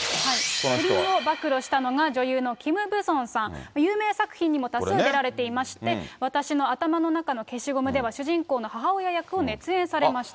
不倫を暴露したのが女優のキム・ブソンさん、有名作品にも多数出られていまして、私の頭の中の消しゴムでは主人公の母親役を熱演されました。